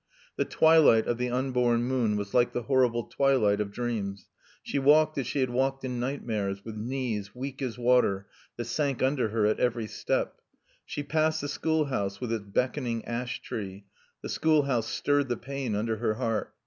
The twilight of the unborn moon was like the horrible twilight of dreams. She walked as she had walked in nightmares, with knees, weak as water, that sank under her at every step. She passed the schoolhouse with its beckoning ash tree. The schoolhouse stirred the pain under her heart.